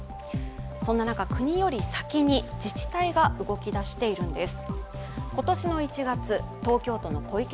そんな中、国より先に自治体が動きだしているんです。